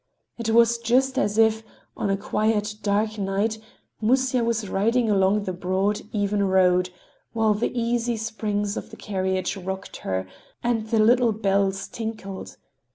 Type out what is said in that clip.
It was just as if, on a quiet, dark night, Musya was riding along a broad, even road, while the easy springs of the carriage rocked her and the little bells tinkled.